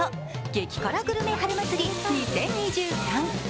激辛グルメ春祭り２０２３。